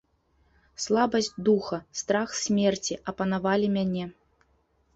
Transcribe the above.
Слабасць духа, страх смерці апанавалі мяне.